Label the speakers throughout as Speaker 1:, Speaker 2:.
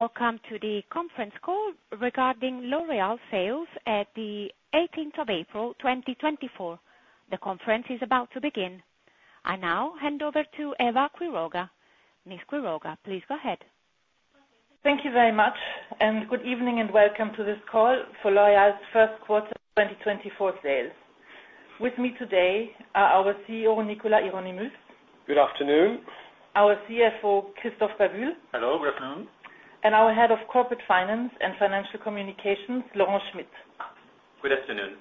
Speaker 1: Welcome to the Conference Call regarding L'Oréal Sales at the 18th of April 2024. The conference is about to begin. I now hand over to Eva Quiroga. Ms. Quiroga, please go ahead.
Speaker 2: Thank you very much. Good evening, and welcome to this call for L'Oréal's First Quarter 2024 Sales. With me today are our CEO, Nicolas Hieronimus.
Speaker 3: Good afternoon.
Speaker 2: Our CFO, Christophe Babule.
Speaker 3: Hello, good afternoon.
Speaker 2: Our Head of Corporate Finance and Financial Communications, Laurent Schmitt.
Speaker 4: Good afternoon.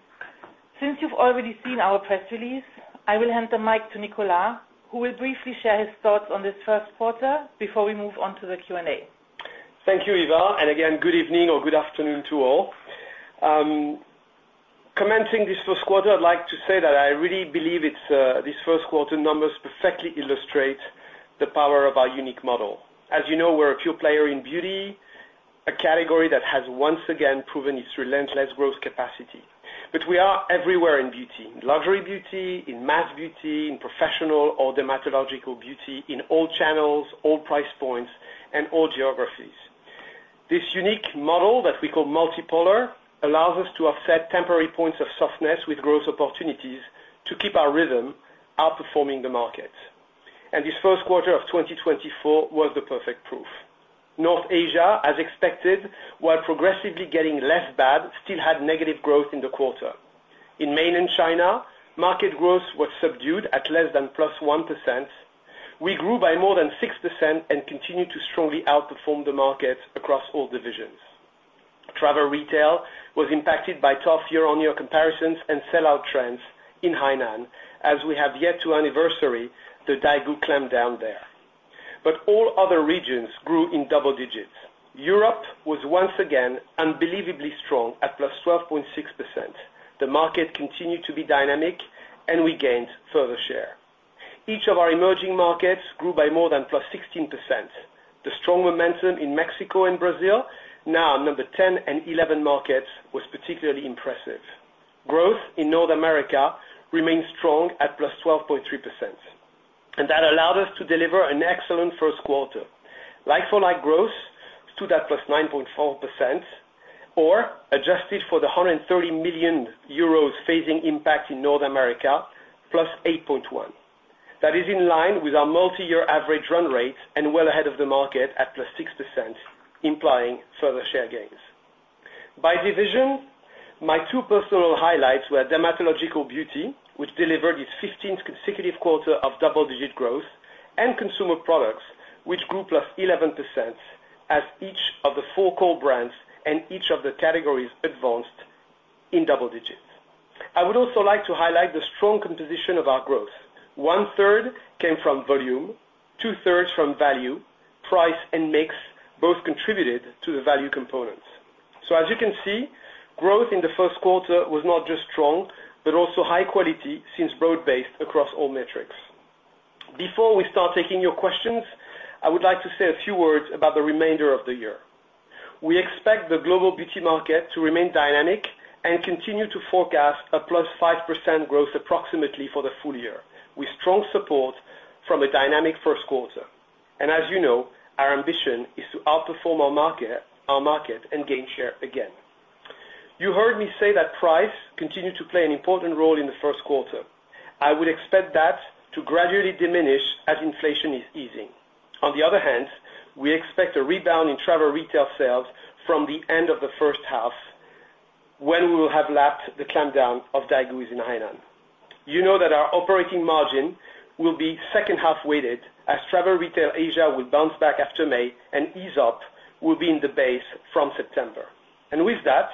Speaker 2: Since you've already seen our press release, I will hand the mic to Nicolas, who will briefly share his thoughts on this first quarter before we move on to the Q&A.
Speaker 3: Thank you, Eva. Again, good evening or good afternoon to all. Commenting this first quarter, I'd like to say that I really believe this first quarter numbers perfectly illustrate the power of our unique model. As you know, we're a pure player in beauty, a category that has once again proven its relentless growth capacity. We are everywhere in beauty, in luxury beauty, in mass beauty, in professional or dermatological beauty, in all channels, all price points, and all geographies. This unique model that we call multipolar allows us to offset temporary points of softness, with growth opportunities to keep our rhythm outperforming the market. This first quarter of 2024 was the perfect proof. North Asia, as expected, while progressively getting less bad, still had negative growth in the quarter. In Mainland China, market growth was subdued at less than +1%. We grew by more than 6%, and continued to strongly outperform the market across all divisions. Travel retail was impacted by tough year-on-year comparisons, and sell-out trends in Hainan as we have yet to anniversary the Daigou clampdown there, but all other regions grew in double digits. Europe was once again unbelievably strong at +12.6%. The market continued to be dynamic, and we gained further share. Each of our emerging markets grew by more than +16%. The strong momentum in Mexico and Brazil, now number 10 and 11 markets, was particularly impressive. Growth in North America remained strong at +12.3%. That allowed us to deliver an excellent first quarter. Like-for-like growth stood at +9.4% or adjusted for the 130 million euros phasing impact in North America +8.1%. That is in line with our multi-year average run rate, and well ahead of the market at +6%, implying further share gains. By division, my two personal highlights were dermatological beauty which delivered its 15th consecutive quarter of double-digit growth, and consumer products which grew +11% as each of the four core brands and each of the categories advanced in double digits. I would also like to highlight the strong composition of our growth. One-third came from volume, 2/3 from value, price and mix both contributed to the value components. As you can see, growth in the first quarter was not just strong, but also high quality since broad-based across all metrics. Before we start taking your questions, I would like to say a few words about the remainder of the year. We expect the global beauty market to remain dynamic, and continue to forecast a +5% growth approximately for the full year, with strong support from a dynamic first quarter. As you know, our ambition is to outperform our market and gain share again. You heard me say that price continued to play an important role in the first quarter. I would expect that to gradually diminish as inflation is easing. On the other hand, we expect a rebound in travel retail sales from the end of the first half, when we will have lapped the clampdown of Daigous in Hainan. You know that our operating margin will be second-half weighted, as travel retail Asia will bounce back after May and ease-up will be in the base from September. With that,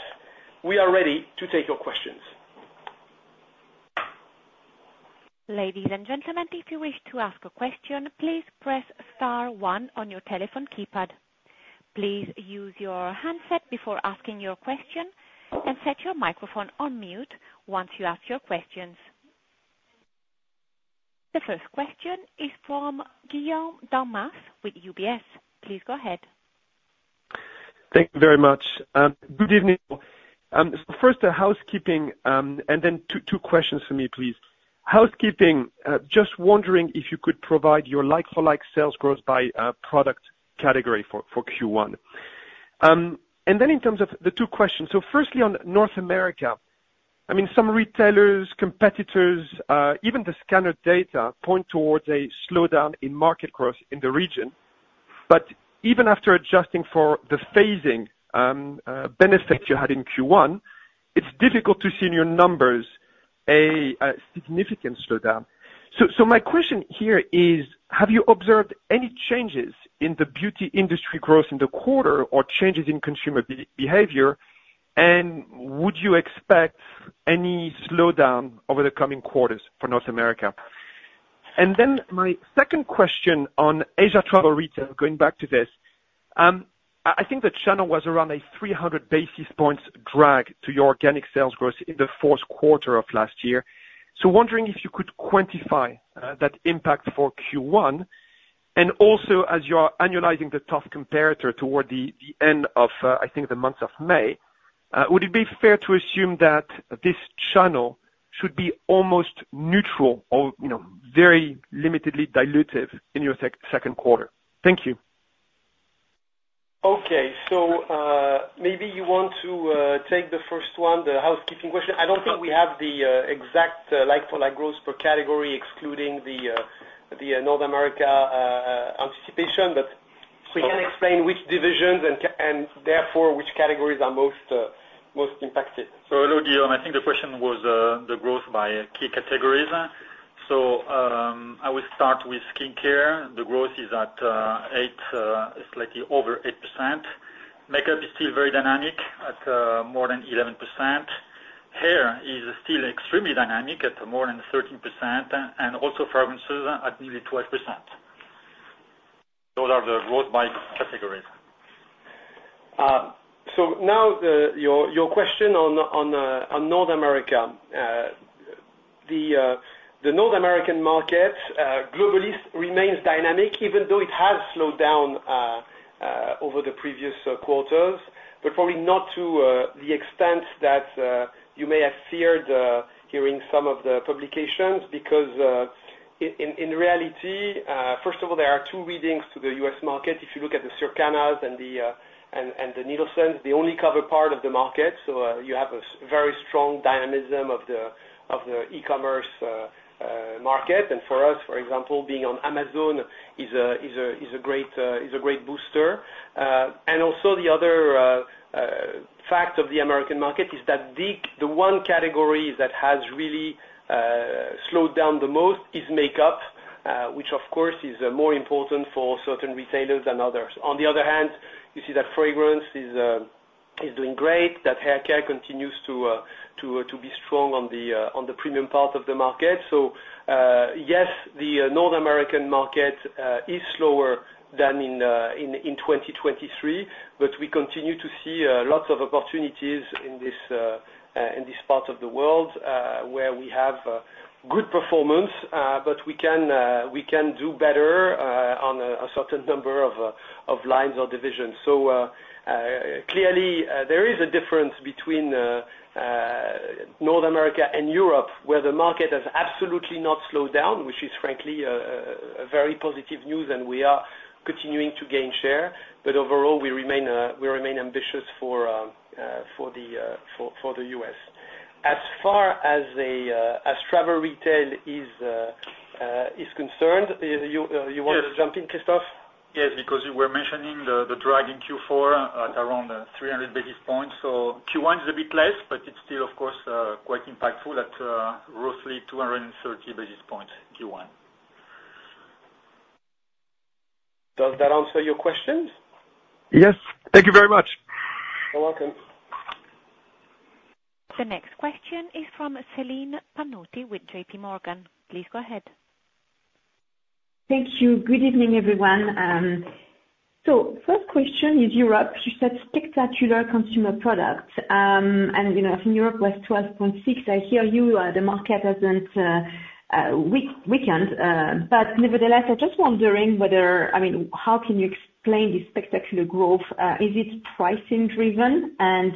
Speaker 3: we are ready to take your questions.
Speaker 1: Ladies and gentlemen, if you wish to ask a question, please press star, one on your telephone keypad. Please use your handset before asking your question, and set your microphone on mute once you ask your questions. The first question is from Guillaume Delmas with UBS. Please go ahead.
Speaker 5: Thank you very much. Good evening. First, housekeeping and then two questions from me please. Housekeeping, just wondering if you could provide your like-for-like sales growth by product category for Q1. Then in terms of the two questions, so firstly on North America, I mean some retailers, competitors, even the scanner data point towards a slowdown in market growth in the region. Even after adjusting for the phasing benefits you had in Q1, it's difficult to see in your numbers a significant slowdown. My question here is, have you observed any changes in the beauty industry growth in the quarter or changes in consumer behavior, and would you expect any slowdown over the coming quarters for North America? Then my second question on Asia travel retail, going back to this, I think the channel was around a 300 basis points drag to your organic sales growth in the fourth quarter of last year. Wondering if you could quantify that impact for Q1. Also, as you are annualizing the tough comparator toward the end of, I think the month of May, would it be fair to assume that this channel should be almost neutral or you know, very limitedly dilutive in your second quarter? Thank you.
Speaker 3: Okay, so maybe you want to take the first one, the housekeeping question. I don't think we have the exact like-for-like growth per category, excluding the North America anticipation, but we can explain which divisions and therefore which categories are most impacted.
Speaker 6: Hello, Guillaume. I think the question was, the growth by key categories. I will start with skin care. The growth is at slightly over 8%. Makeup is still very dynamic, at more than 11%. Hair is still extremely dynamic at more than 13%, and also fragrances at nearly 12%. Those are the growth by categories.
Speaker 3: Now your question on North America, the North American market globally remains dynamic, even though it has slowed down over the previous quarters, but probably not to the extent that you may have feared hearing some of the publications because in reality, first of all there are two readings to the U.S. market. If you look at the Circana and the NielsenIQ, they only cover part of the market, so you have a very strong dynamism of the e-commerce market. For us, for example, being on Amazon is a great booster. Also, the other fact of the American market is that the one category that has really slowed down the most is makeup, which of course is more important for certain retailers than others. On the other hand, you see that fragrance is doing great. That hair care continues to be strong on the premium part of the market. Yes, the North American market is slower than in 2023, but we continue to see lots of opportunities in this part of the world, where we have good performance, but we can do better on a certain number of lines or divisions. Clearly, there is a difference between North America and Europe, where the market has absolutely not slowed down, which is frankly very positive news and we are continuing to gain share. Overall, we remain ambitious for the U.S. As far as travel retail is concerned, you wanted to jump in, Christophe?
Speaker 6: Yes, because you were mentioning the drag in Q4 at around 300 basis points. Q1's a bit less, but it's still of course quite impactful at roughly 230 basis points Q1.
Speaker 3: Does that answer your questions?
Speaker 5: Yes, thank you very much.
Speaker 3: You're welcome.
Speaker 1: The next question is from Celine Pannuti with JPMorgan. Please go ahead.
Speaker 7: Thank you. Good evening, everyone. First question is Europe. You said spectacular consumer products. You know, I think Europe was 12.6. I hear you, the market hasn't weakened. Nevertheless, I'm just wondering, I mean, how can you explain this spectacular growth? Is it pricing driven, and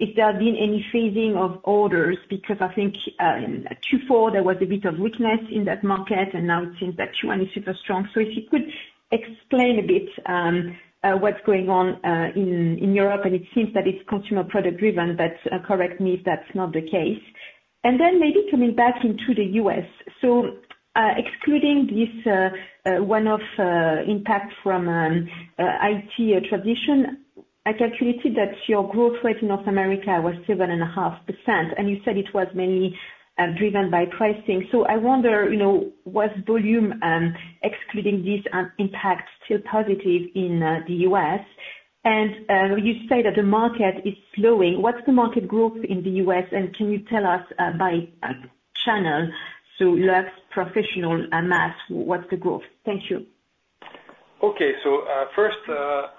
Speaker 7: has there been any phasing of orders? I think in Q4, there was a bit of weakness in that market, and now it seems that Q1 is super strong. If you could explain a bit what's going on in Europe, and it seems that it's consumer product driven, but correct me if that's not the case. Then maybe coming back into the U.S., so excluding this one-off impact from IT transition, I calculated that your growth rate in North America was 7.5%. You said it was mainly driven by pricing. I wonder, you know, was volume excluding this impact still positive in the U.S.? You say that the market is slowing. What's the market growth in the U.S., and can you tell us by channel? Luxe, Professional, Mass, what's the growth? Thank you.
Speaker 3: Okay, so first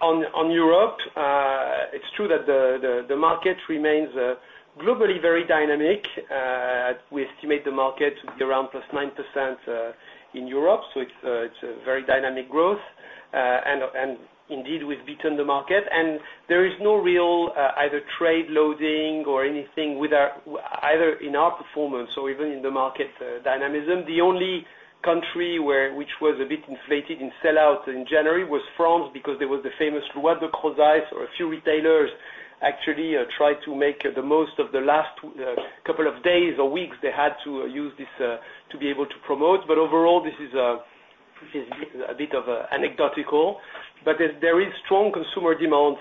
Speaker 3: on Europe, it's true that the market remains globally very dynamic. We estimate the market to be around +9% in Europe, so it's a very dynamic growth. Indeed, we've beaten the market, and there is no real either trade loading or anything whether in our performance or even in the market dynamism. The only country which was a bit inflated in sell-out in January was France, because there was the famous Loi Descrozaille or a few retailers actually tried to make the most of the last the couple of days, or weeks they had to use this to be able to promote. Overall this is which is a bit of a anecdotal, but there is strong consumer demand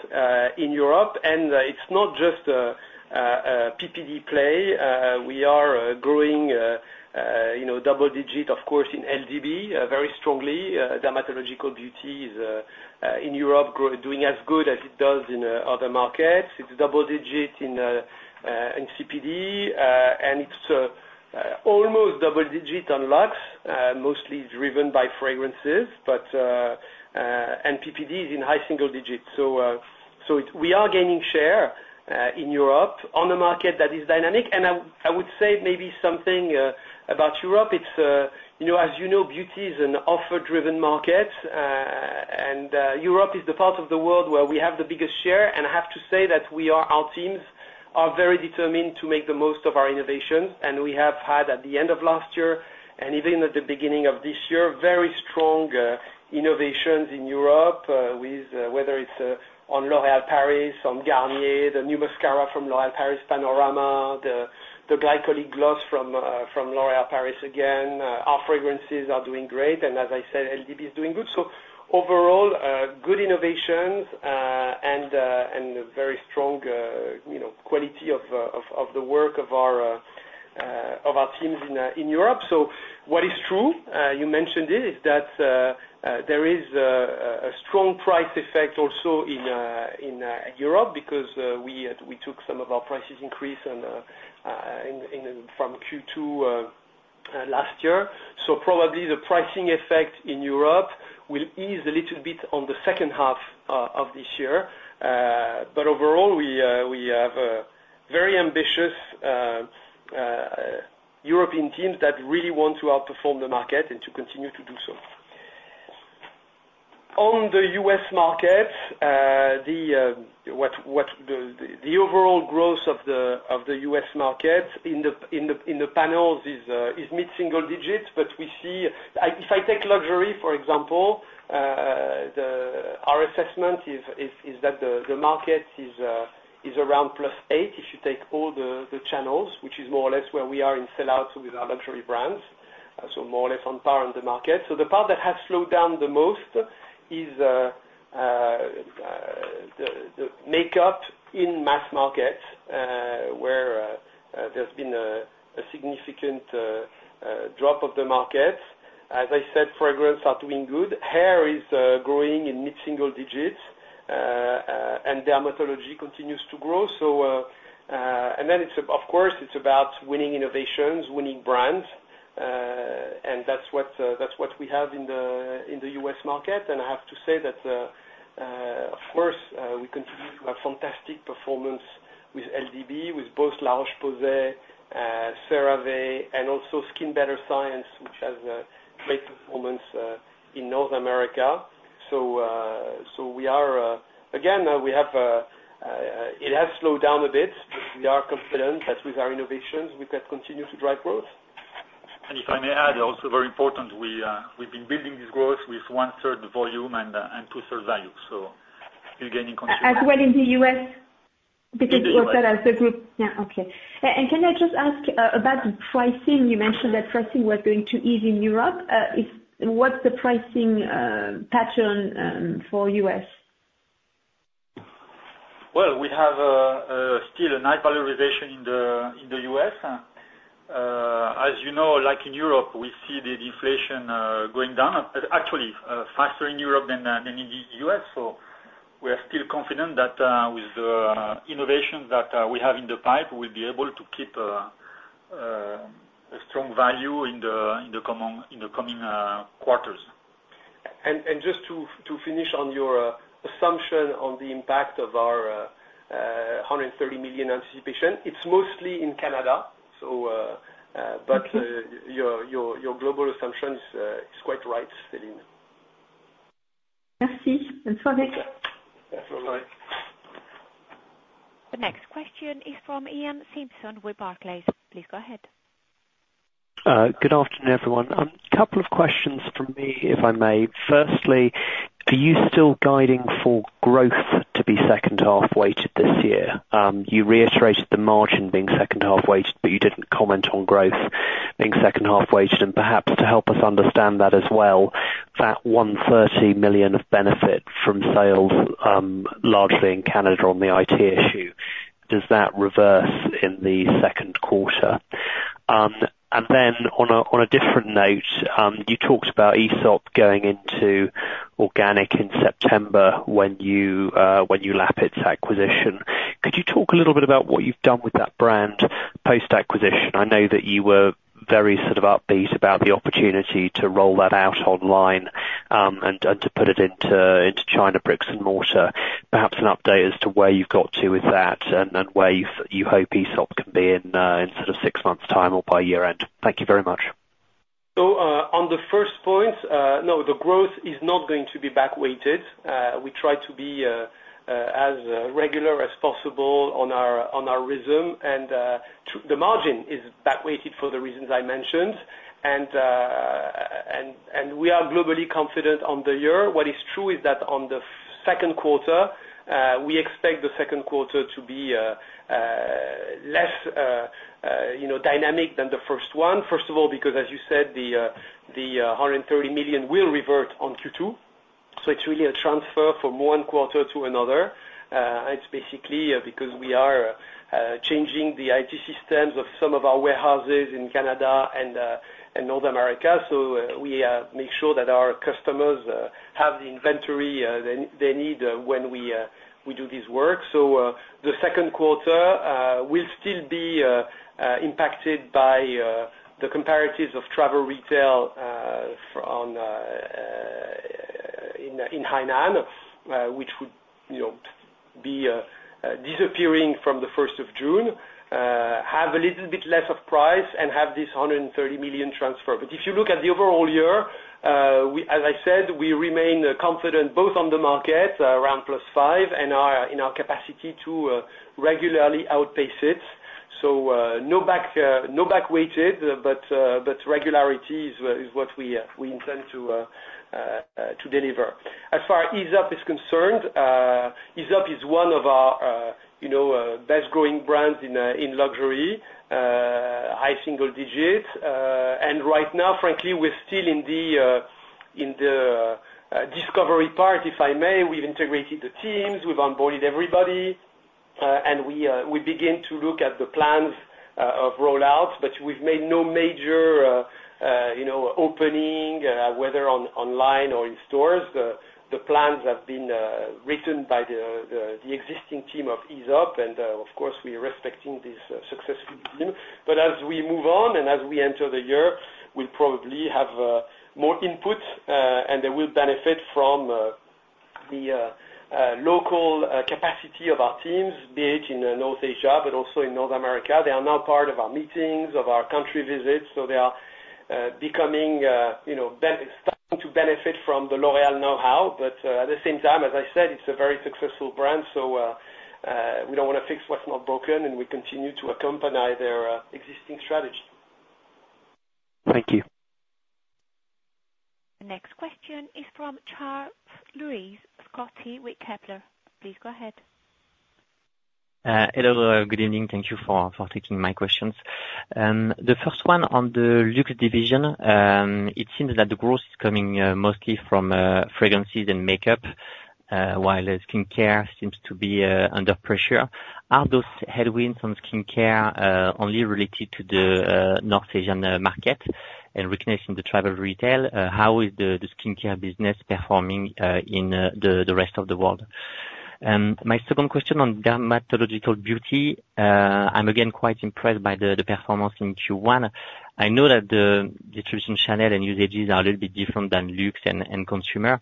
Speaker 3: in Europe and it's not just a PPD play. We are growing, you know, double digit of course in LDB very strongly. Dermatological beauty is in Europe growing as good as it does in other markets. It's double-digit in CPD. And it's almost double-digit in Luxe, mostly driven by fragrances. PPD is in high single digits, so we are gaining share in Europe on a market that is dynamic. I would say maybe something about Europe. It's you know as you know beauty is an offer-driven market. Europe is the part of the world where we have the biggest share, and I have to say that we are our teams are very determined to make the most of our innovations. We have had at the end of last year and even at the beginning of this year very strong innovations in Europe with, whether it's on L'Oréal Paris, on Garnier the new mascara from L'Oréal Paris Panorama the Glycolic Gloss from L'Oréal Paris again. Our fragrances are doing great. As I said LDB's doing good. Overall, good innovations and a very strong you know quality of the work of our teams in Europe. What is true you mentioned it is that there is a strong price effect also in Europe, because we took some of our price increases on in from Q2 last year. Probably the pricing effect in Europe will ease a little bit on the second half of this year. Overall, we have a very ambitious European teams that really want to outperform the market, and to continue to do so. On the U.S. market the overall growth of the U.S. market in the panels is mid-single digits. We see if I take luxury for example, our assessment is that the market is around +8 if you take all the channels, which is more or less where we are in sellout with our luxury brands, so more or less on par on the market. The part that has slowed down the most is the makeup in mass markets where there's been a significant drop of the market. As I said, fragrances are doing good. Hair is growing in mid-single digits. Dermatology continues to grow. Then of course it's about winning innovations, winning brands. TThat's what we have in the U.S. market. I have to say that of course we continue to have fantastic performance with LDB, with both La Roche-Posay, CeraVe, and also SkinBetter Science, which has great performance in North America. We are again, we have, it has slowed down a bit, but we are confident that with our innovations we can continue to drive growth.
Speaker 6: If I may add, also very important, we've been building this growth with one-third the volume and two-thirds value, so still gaining consumer.
Speaker 7: As well in the U.S.? Because you also have the group.
Speaker 6: Yes.
Speaker 7: Yeah, okay. Can I just ask about the pricing? You mentioned that pricing was going too easy in Europe. Is what's the pricing pattern for U.S.?
Speaker 6: Well, we have still a nice valorization in the U.S. As you know, like in Europe, we see the inflation going down actually faster in Europe than in the U.S. We are still confident that with the innovations that we have in the pipe, we'll be able to keep a strong value in the coming quarters.
Speaker 3: Just to finish on your assumption on the impact of our 130 million anticipation, it's mostly in Canada. Your global assumption is quite right, Céline.
Speaker 6: Thanks. All right.
Speaker 1: The next question is from Ian Simpson with Barclays. Please go ahead.
Speaker 8: Good afternoon, everyone. Couple of questions from me, if I may. Firstly, are you still guiding for growth to be second half weighted this year? You reiterated the margin being second half weighted, but you didn't comment on growth being second half weighted. Perhaps to help us understand that as well, that 130 million of benefit from sales largely in Canada on the IT issue, does that reverse in the second quarter? Then, on a different note, you talked about Aesop going into organic in September when you lap its acquisition. Could you talk a little bit about what you've done with that brand post-acquisition? I know that you were very sort of upbeat about the opportunity to roll that out online and to put it into China bricks and mortar. Perhaps an update as to where you've got to with that, and where you hope Aesop can be in sort of six months' time or by year-end. Thank you very much
Speaker 3: On the first point, no, the growth is not going to be back-weighted. We try to be as regular as possible on our rhythm. The margin is back-weighted for the reasons I mentioned, and we are globally confident on the year. What is true is that on the second quarter we expect the second quarter to be less, you know, dynamic than the first one. First of all, because as you said, the 130 million will revert on Q2. It's really a transfer from one quarter to another. It's basically because we are changing the IT systems of some of our warehouses in Canada and North America. We make sure that our customers have the inventory they need when we do this work. The second quarter will still be impacted by the comparatives of travel retail from Hainan, which would, you know, still be disappearing from the first of June. Have a little bit less of price and have this 130 million transfer. If you look at the overall year, as I said, we remain confident both on the market around +5% and our capacity to regularly outpace it. No back-weighted, but regularity is what we intend to deliver. As far as Aesop is concerned, Aesop is one of our, you know, best-growing brands in luxury. High single-digit. Right now frankly, we're still in the discovery part, if I may. We've integrated the teams. We've onboarded everybody, and we begin to look at the plans of rollouts. We've made no major, you know, openings whether online or in stores. The plans have been written by the existing team of Aesop, and of course we are respecting this successful team. As we move on, and as we enter the year we'll probably have more input and they will benefit from the local capacity of our teams be it in North Asia but also in North America. They are now part of our meetings of our country visits, so they are becoming, you know, beneficiaries starting to benefit from the L'Oréal know-how. At the same time as I said it's a very successful brand, so we don't want to fix what's not broken and we continue to accompany their existing strategy.
Speaker 8: Thank you.
Speaker 1: The next question is from Charles-Louis Scotti with Kepler. Please go ahead.
Speaker 9: Hello, good evening. Thank you for taking my questions. The first one on the Luxe division, it seems that the growth is coming mostly from fragrances and makeup while skincare seems to be under pressure. Are those headwinds on skincare only related to the North Asian market and weakness in the travel retail? How is the skincare business performing in the rest of the world? My second question on Dermatological Beauty, I'm again quite impressed by the performance in Q1. I know that the distribution channel and usages are a little bit different than Luxe and consumer.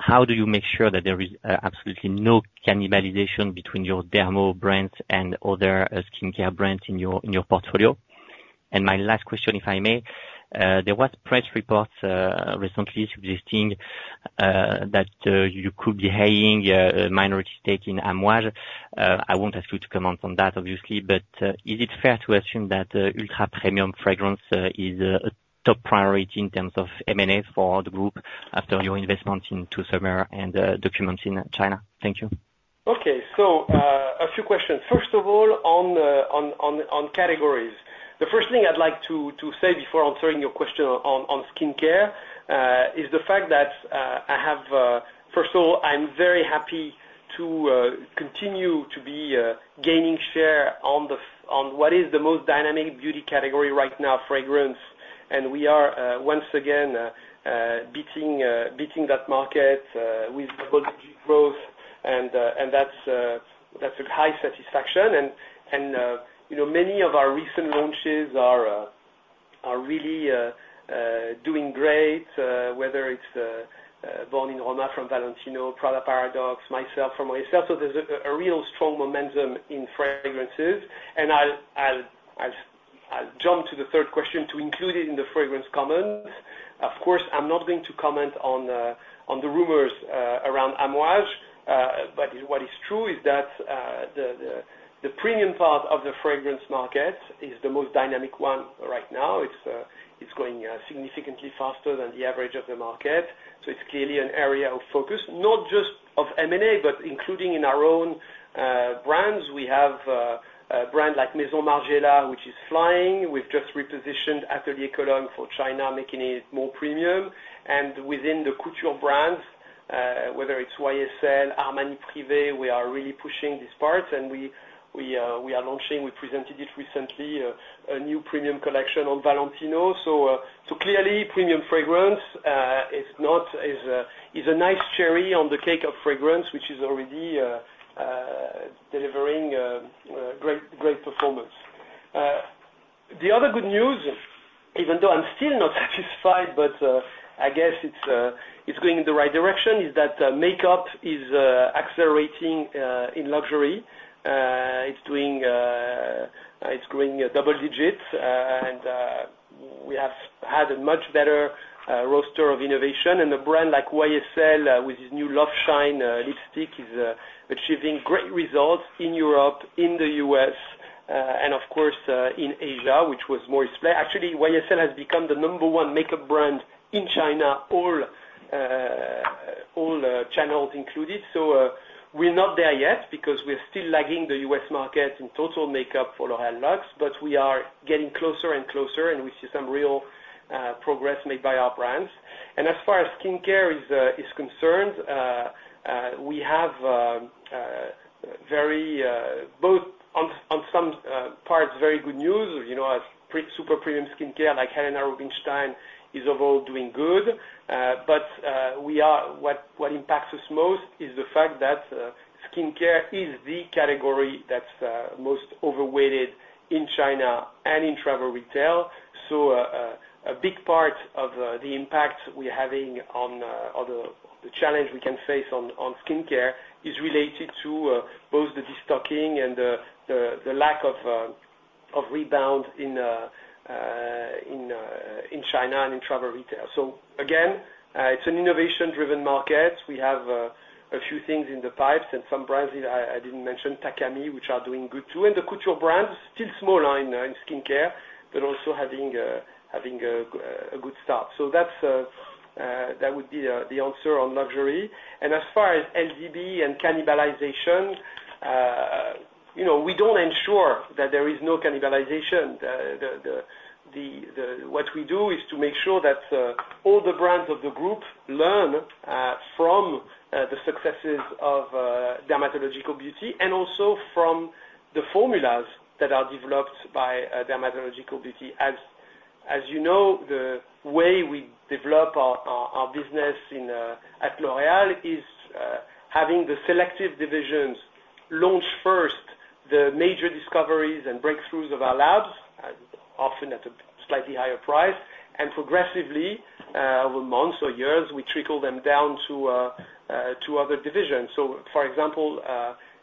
Speaker 9: How do you make sure that there is absolutely no cannibalization between your dermo brands, and other skincare brands in your portfolio? My last question, if I may: there was press reports recently suggesting that you could be taking a minority stake in Amouage. I won't ask you to comment on that obviously. Is it fair to assume that ultra premium fragrance is a top priority in terms of M&A for the group after your investment in To Summer and Documents in China? Thank you.
Speaker 3: Okay, so a few questions. First of all, on categories. The first thing I'd like to say before answering your question on skincare is the fact that I have first of all, I'm very happy to continue to be gaining share on the on what is the most dynamic beauty category right now, fragrance. We are once again beating that market with double-digit growth, and that's a high satisfaction. You know, many of our recent launches are really doing great, whether it's Born in Roma from Valentino, Prada Paradoxe, MYSLF from YSL. There's a real strong momentum in fragrances, and I'll jump to the third question to include it in the fragrance comments. Of course, I'm not going to comment on the rumors around Amouage. What is true is that the premium part of the fragrance market is the most dynamic one right now. It's going significantly faster than the average of the market, so it's clearly an area of focus not just of M&A but including in our own brands we have a brand like Maison Margiela which is flying. We've just repositioned Atelier Cologne for China making it more premium, and within the couture brands whether it's YSL Armani Privé we are really pushing this part. We are launching we presented it recently a new premium collection on Valentino, so clearly premium fragrance is a nice cherry on the cake of fragrance which is already delivering great performance. The other good news, even though I'm still not satisfied, but I guess it's going in the right direction, is that makeup is accelerating in luxury. It's doing, it's growing double digits. We have had a much better roster of innovation. A brand like YSL with this new Loveshine lipstick is achieving great results in Europe in the U.S., and of course in Asia which was more display actually YSL has become the number one makeup brand in China all channels included. We're not there yet because we're still lagging the U.S. market in total makeup for L'Oréal Luxe, but we are getting closer and closer and we see some real progress made by our brands. As far as skincare is concerned we have very both on some parts very good news. You know, as prestige super premium skincare like Helena Rubinstein is overall doing good. What impacts us most is the fact that skincare is the category that's most overweighted in China and in travel retail. A big part of the impact we're having or the challenge we can face on skincare is related to both the destocking, and the lack of rebound in China and in travel retail. Again, it's an innovation-driven market. We have a few things in the pipes. Some brands that I didn't mention, Takami, which are doing good too. The couture brands still small in skincare but also having a good start, so that's the answer on luxury. As far as LDB and cannibalization, you know, we don't ensure that there is no cannibalization. The what we do is to make sure that all the brands of the group learn from the successes of dermatological beauty, and also from the formulas that are developed by dermatological beauty. As you know, the way we develop our business at L'Oréal is having the selective divisions launch first the major discoveries, and breakthroughs of our labs often at a slightly higher price. Progressively over months or years we trickle them down to other divisions. For example,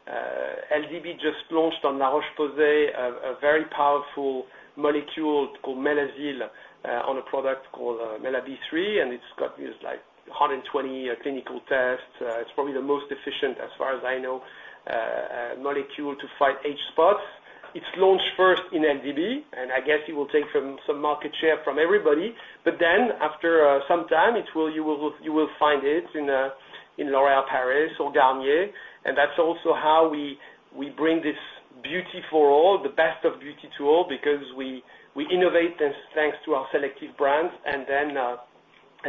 Speaker 3: LDB just launched on La Roche-Posay a very powerful molecule called Melasyl on a product called Mela B3, and it's got used like 120 clinical tests. It's probably the most efficient as far as I know molecule to fight age spots. It's launched first in LDB. I guess it will take some market share from everybody, but then after some time it will, you will find it in L'Oréal Paris or Garnier. That's also how we bring this beauty for all the best of beauty to all, because we innovate thanks to our selective brands and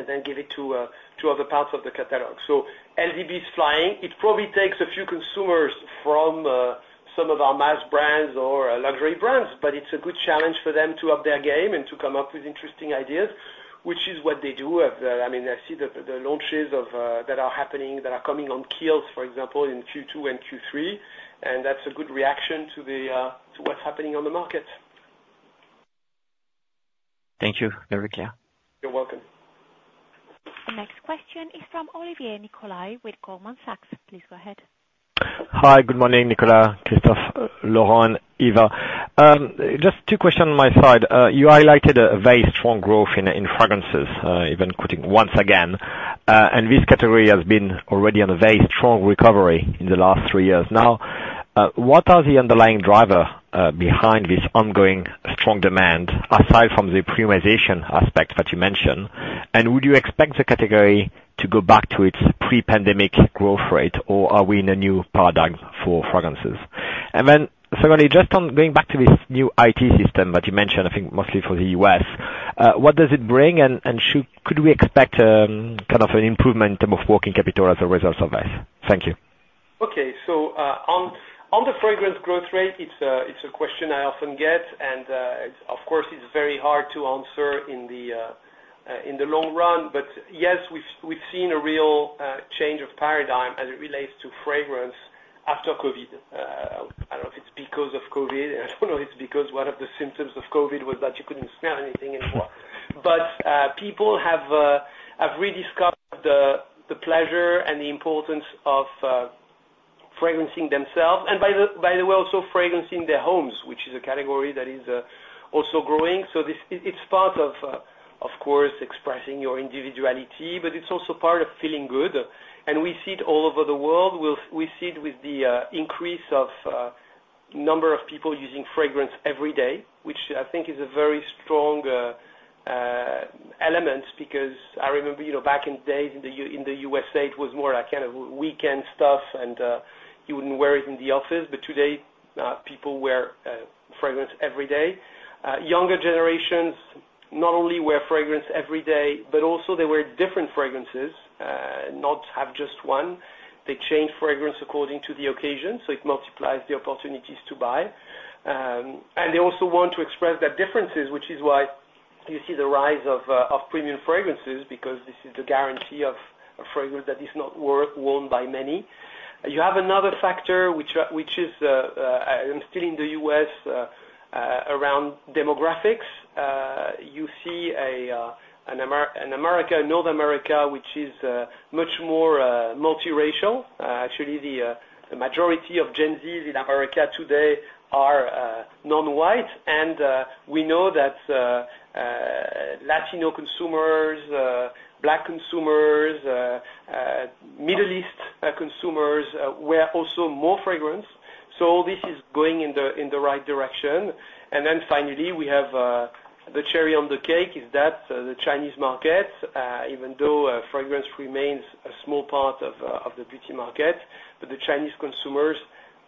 Speaker 3: then give it to other parts of the catalog. LDB's flying. It probably takes a few consumers from some of our mass brands or luxury brands, but it's a good challenge for them to up their game and to come up with interesting ideas which is what they do. I mean, I see the launches of that are happening that are coming on Kiehl's, for example, in Q2 and Q3. That's a good reaction to what's happening on the market.
Speaker 9: Thank you. Very clear.
Speaker 3: You're welcome.
Speaker 1: The next question is from Olivier Nicolai with Goldman Sachs. Please go ahead.
Speaker 10: Hi. Good morning, Nicolas. Christophe, Laurent, Eva. Just two questions on my side. You highlighted a very strong growth in fragrances, even quoting once again. This category has been already on a very strong recovery in the last three years. Now what are the underlying driver behind this ongoing strong demand aside from the premiumization aspect that you mentioned? Would you expect the category to go back to its pre-pandemic growth rate or are we in a new paradigm for fragrances? Then secondly just on going back to this new IT system that you mentioned I think mostly for the U.S. what does it bring, and should could we expect kind of an improvement in terms of working capital as a result of this? Thank you.
Speaker 3: Okay, so on the fragrance growth rate, it's a question I often get. It's of course very hard to answer in the long run. Yes, we've seen a real change of paradigm as it relates to fragrance after COVID. I don't know if it's because of COVID. I don't know if it's because one of the symptoms of COVID was that you couldn't smell anything anymore. People have rediscovered the pleasure and the importance of fragrancing themselves. By the way, also fragrancing their homes, which is a category that is also growing. It's part of of course, expressing your individuality, but it's also part of feeling good and we see it all over the world. Well, we see it with the increase of number of people using fragrance every day, which I think is a very strong element because I remember, you know, back in days in the U.S. in the USA, it was more like kind of weekend stuff and you wouldn't wear it in the office. Today people wear fragrance every day. Younger generations not only wear fragrance every day, but also they wear different fragrances not have just one. They change fragrance according to the occasion, so it multiplies the opportunities to buy. They also want to express that differences, which is why you see the rise of premium fragrances because this is the guarantee of a fragrance that is not worn by many. You have another factor, which is, I'm still in the U.S. around demographics. You see North America which is much more multiracial. Actually the majority of Gen Zs in America today are non-white, and we know that Latino consumers Black consumers Middle East consumers wear also more fragrance. All this is going in the right direction, and then finally we have the cherry on the cake is that the Chinese markets even though fragrance remains a small part of the beauty market. The Chinese consumers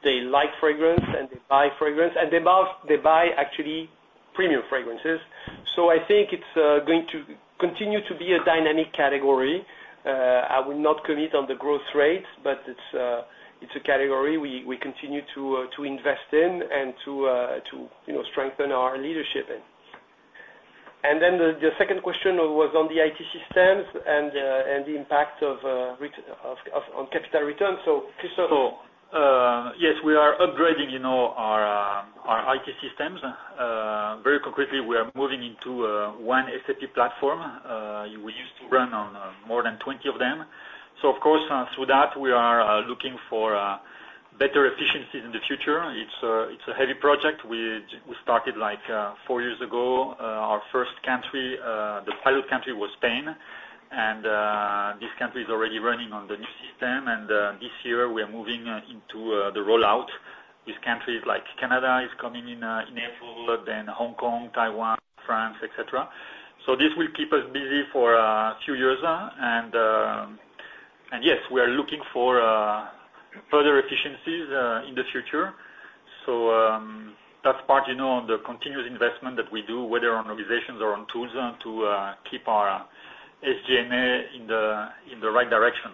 Speaker 3: they like fragrance and they buy fragrance. They buy off they buy actually premium fragrances, so I think it's going to continue to be a dynamic category. I will not commit on the growth rates but it's a category we continue to invest in, and to you know strengthen our leadership in. Then the second question was on the IT systems and the impact of ERP on capital return, so, Christophe.
Speaker 10: Yes, we are upgrading, you know, our IT systems. Very concretely, we are moving into one SAP platform. We used to run on more than 20 of them, so of course through that we are looking for better efficiencies in the future. It's a heavy project. We started like 4 years ago. Our first country, the pilot country was Spain. This country is already running on the new system, and this year we are moving into the rollout with countries like Canada is coming in in April then Hong Kong, Taiwan, France, etc. This will keep us busy for a few years. Yes, we are looking for further efficiencies in the future. That's part, you know, on the continuous investment that we do whether on organizations, or on tools to keep our SG&A in the right direction.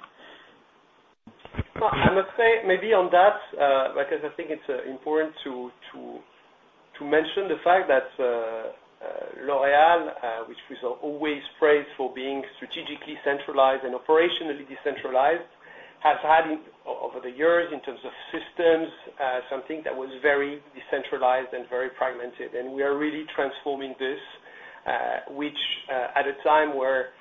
Speaker 3: Well, I must say maybe on that because I think it's important to mention the fact that L'Oréal, which was always praised for being strategically centralized and operationally decentralized, has had in over the years in terms of systems something that was very decentralized and very fragmented. We are really transforming this, which at a time where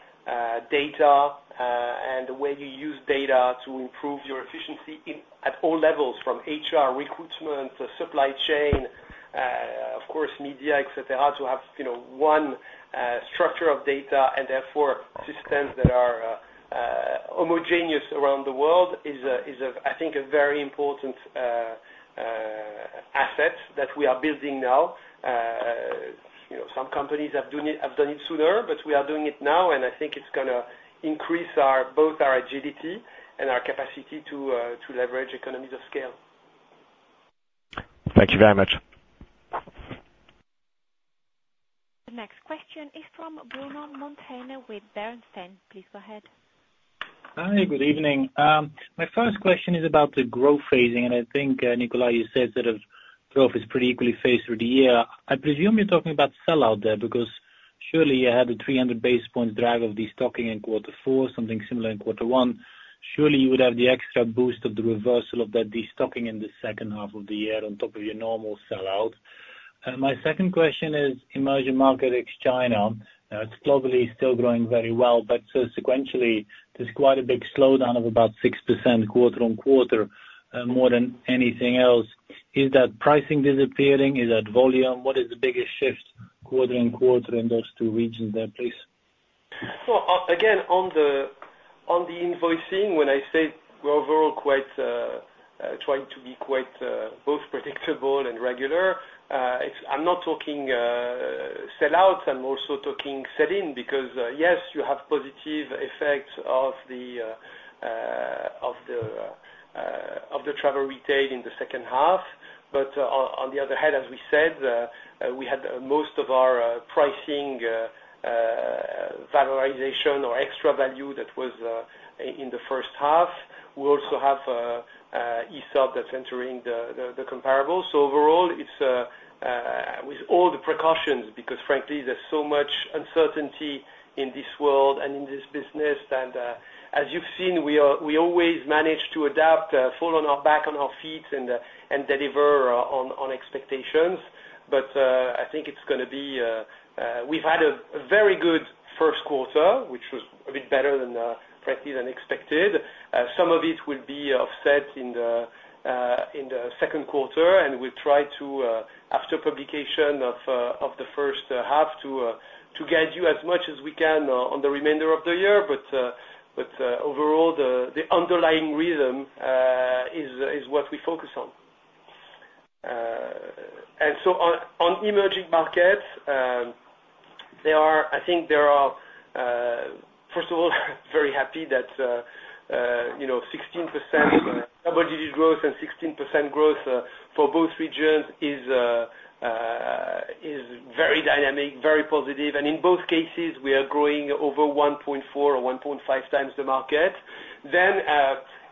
Speaker 3: data and the way you use data to improve your efficiency in at all levels from HR recruitment supply chain of course media etc, to have you know one structure of data. Therefore, systems that are homogeneous around the world is a I think a very important asset that we are building now. You know, some companies have done it have done it sooner, but we are doing it now. I think it's going to increase both our agility and our capacity to leverage economies of scale.
Speaker 10: Thank you very much.
Speaker 1: The next question is from Bruno Monteyne with Bernstein. Please go ahead.
Speaker 11: Hi, good evening. My first question is about the growth phasing. I think Nicolas you said sort of growth is pretty equally phased through the year. I presume you're talking about sellout there, because surely you had the 300 basis points drag of destocking in quarter four, something similar in quarter one. Surely you would have the extra boost of the reversal of that destocking in the second half of the year, on top of your normal sellout. My second question is emerging market ex-China. Now it's globally still growing very well, but sequentially there's quite a big slowdown of about 6% quarter-on-quarter, more than anything else. Is that pricing disappearing? Is that volume? What is the biggest shift quarter-on-quarter in those two regions there, please?
Speaker 3: Well, again on the invoicing, when I say we're overall quite trying to be both predictable and regular, I'm not talking sellouts. I'm also talking sell-in because, yes, you have positive effects of the travel retail in the second half. On the other hand, as we said, we had most of our pricing valorization or extra value that was in the first half. We also have SAP that's entering the comparables. Overall, it's with all the precautions, because frankly, there's so much uncertainty in this world and in this business. As you've seen, we always manage to adapt, fall back on our feet, and deliver on expectations. We've had a very good first quarter which was a bit better than, frankly, expected. Some of it will be offset in the second quarter. We'll try, after publication of the first half, to guide you as much as we can on the remainder of the year. Overall, the underlying rhythm is what we focus on. On emerging markets, we're I think first of all, very happy that, you know, 16% double-digit growth and 16% growth for both regions is very dynamic, very positive. In both cases, we are growing over 1.4x or 1.5x the market. Then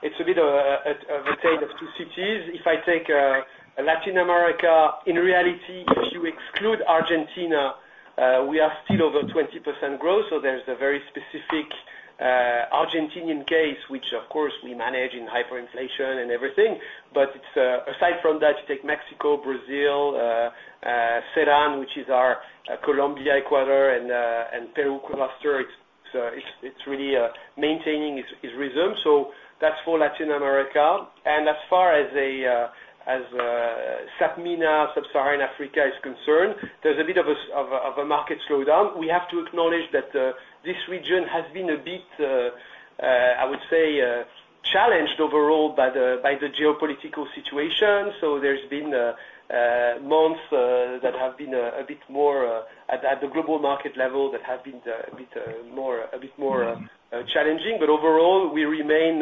Speaker 3: it's a bit of a tale of two cities. If I take Latin America, in reality, if you exclude Argentina, we are still over 20% growth. There's a very specific Argentinian case, which of course we manage in hyperinflation and everything. It's aside from that you take Mexico, Brazil C-Andean, which is our Colombia Ecuador and Peru cluster, it's really maintaining its rhythm. That's for Latin America. As far as SAPMENA Sub-Saharan Africa is concerned there's a bit of a market slowdown. We have to acknowledge that this region has been a bit I would say challenged overall by the geopolitical situation, so there's been months that have been a bit more challenging at the global market level. Overall we remain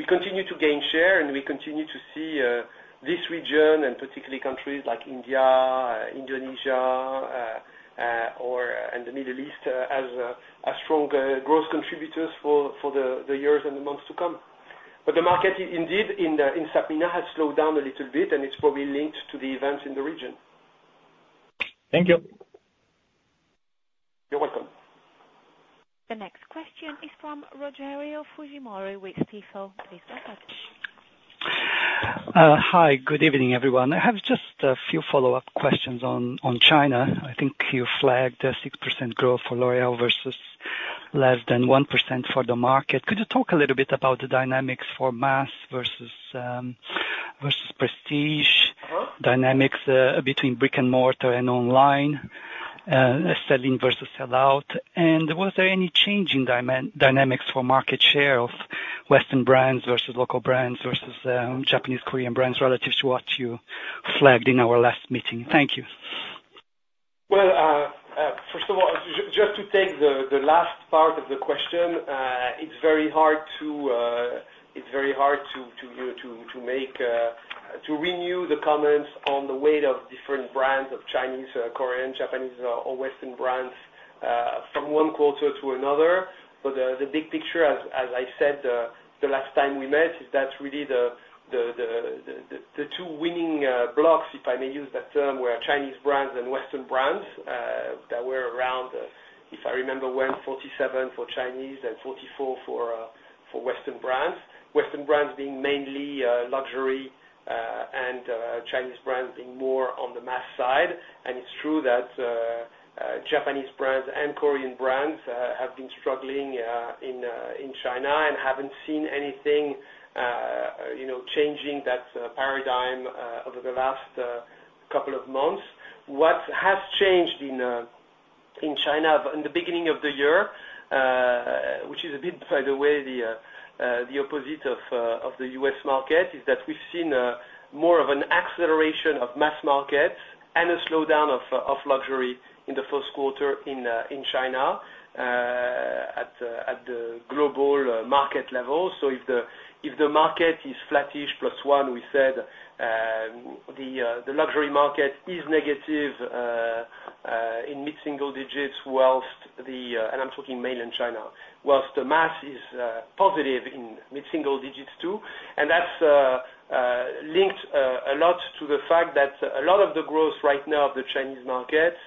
Speaker 3: we continue to gain share, and we continue to see this region and particularly countries like India Indonesia, and the Middle East as strong growth contributors for the years and the months to come. The market indeed in SAPMENA has slowed down a little bit, and it's probably linked to the events in the region.
Speaker 11: Thank you.
Speaker 3: You're welcome.
Speaker 1: The next question is from Rogério Fujimori with Stifel. Please go ahead.
Speaker 12: Hi. Good evening, everyone. I have just a few follow-up questions on China. I think you flagged 6% growth for L'Oréal versus less than 1% for the market. Could you talk a little bit about the dynamics for mass versus prestige? Dynamics between brick and mortar, and online sell-in versus sellout. Was there any change in China dynamics for market share of Western brands versus local brands versus Japanese Korean brands, relative to what you flagged in our last meeting? Thank you.
Speaker 3: Well, first of all, just to take the last part of the question, it's very hard to, you know, to renew the comments on the weight of different brands of Chinese, Korean, Japanese, or Western brands from one quarter to another. The big picture, as I said the last time we met, is that's really the two winning blocks, if I may use that term, where Chinese brands and Western brands that were around, if I remember well, 47 for Chinese and 44 for Western brands. Western brands being mainly luxury and Chinese brands being more on the mass side. It's true that Japanese brands and Korean brands have been struggling in China, and haven't seen anything, you know, changing that paradigm over the last couple of months. What has changed in China versus in the beginning of the year, which is a bit by the way the opposite of the U.S. market, is that we've seen more of an acceleration of mass markets and a slowdown of luxury in the first quarter in China at the global market level. If the market is flattish +1% we said, the luxury market is negative in mid-single digits, and I'm talking mainland China, while the mass is positive in mid-single digits too. That's linked a lot to the fact that a lot of the growth right now of the Chinese markets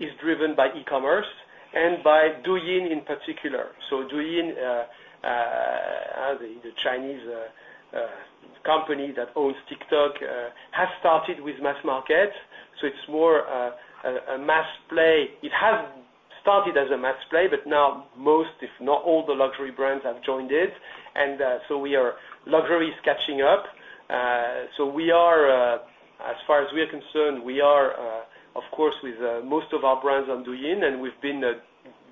Speaker 3: is driven by e-commerce and by Douyin in particular. Douyin, the Chinese company that owns TikTok has started with mass markets, so it's more a mass play. It has started as a mass play, but now most if not all the luxury brands have joined it and so we are luxury is catching up. As far as we are concerned we are of course with most of our brands on Douyin, and we've been